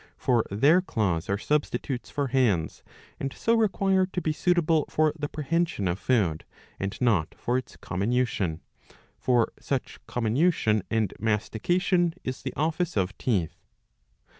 For their claws are substitutes for hands, and so require to be suitable for the prehension of food, and not for its comminution ; for such comminution and mastication is the ofiice of teeth.